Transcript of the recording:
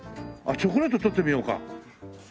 チョコレート取ってみようか。